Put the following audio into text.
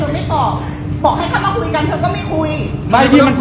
บอกให้ข้ามาคุยกันเธอก็ไม่คุย